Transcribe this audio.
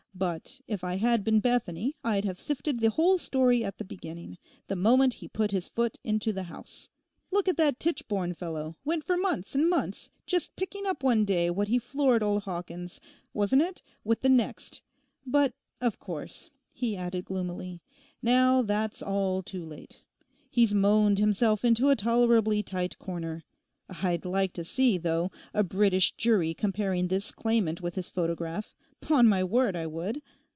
But if I had been Bethany I'd have sifted the whole story at the beginning, the moment he put his foot into the house. Look at that Tichborne fellow—went for months and months, just picking up one day what he floored old Hawkins—wasn't it?—with the next. But of course,' he added gloomily, 'now that's all too late. He's moaned himself into a tolerably tight corner. I'd just like to see, though, a British jury comparing this claimant with his photograph, 'pon my word I would.